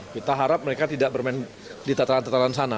kita harap mereka tidak bermain di tataran tataran sana